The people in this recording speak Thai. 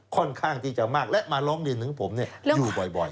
ค่อนข้างที่จะมากและมาร้องเรียนถึงผมอยู่บ่อย